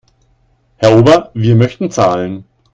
Herr Ober, wir möchten zahlen.